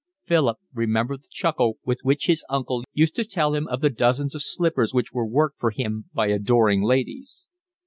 Philip remembered the chuckle with which his uncle used to tell of the dozens of slippers which were worked for him by adoring ladies.